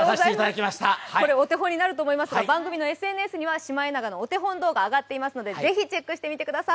お手本になると思いますが、番組のＳＮＳにはシマエナガのお手本動画が上がっていますのでぜひ、チェックしてみてください。